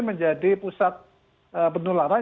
menjadi pusat penularan